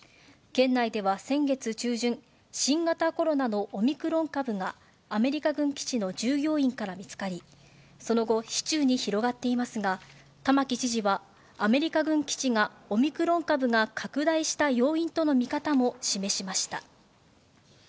県内では先月中旬、新型コロナのオミクロン株がアメリカ軍基地の従業員から見つかり、その後、市中に広がっていますが、玉城知事は、アメリカ軍基地がオミクロン株が拡大した要因との見方も示しました。